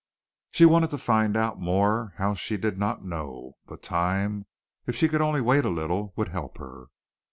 She wanted to find out more how she did not know, but time, if she could only wait a little, would help her.